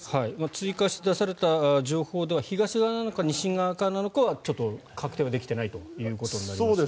追加して出された情報では東側なのか西側なのかはちょっと確定はできてないということになりますね。